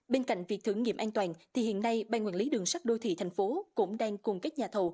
bên cạnh việc thử nghiệm an toàn thì hiện nay ban quản lý đường sắt đô thị thành phố cũng đang cùng các nhà thầu